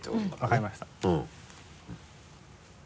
分かりました。